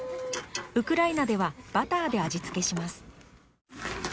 ウクライナではバターで味付けします。